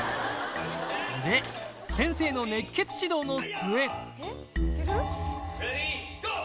で先生の熱血指導の末レディゴー！